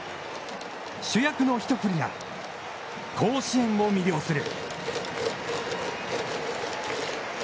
主役の一振りが甲子園を魅了する。